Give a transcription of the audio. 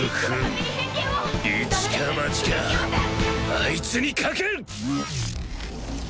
あいつに賭ける！